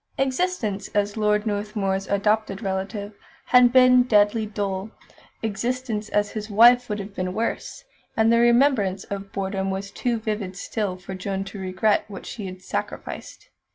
Existence as Lord Northmuir's adopted relative had been deadly dull; existence as his wife would have been worse; and the remembrance of boredom was too vivid still for Joan to regret what she had sacrificed.